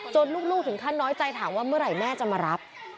ลูกถึงขั้นน้อยใจถามว่าเมื่อไหร่แม่จะมารับ